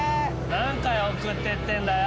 何回送ってってんだよ。